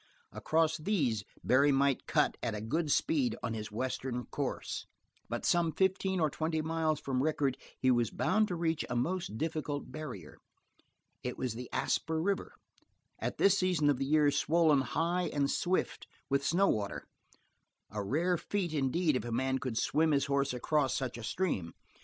Across these Barry might cut at a good speed on his western course, but some fifteen or twenty miles from Rickett he was bound to reach a most difficult barrier. It was the Asper river, at this season of the year swollen high and swift with snow water a rare feat indeed if a man could swim his horse across such a stream.